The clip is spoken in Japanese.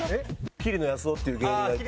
桐野安生っていう芸人がいて。